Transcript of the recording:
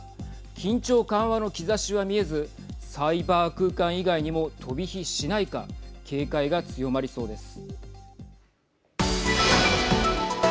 緊張緩和の兆しは見えずサイバー空間以外にも飛び火しないか警戒が強まりそうです。